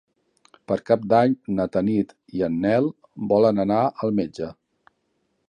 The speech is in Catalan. Per Cap d'Any na Tanit i en Nel volen anar al metge.